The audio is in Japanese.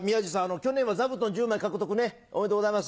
去年は座布団１０枚獲得ねおめでとうございます。